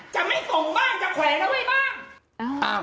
จะไม่ส่งบ้างจะแขวนเอาไว้บ้าง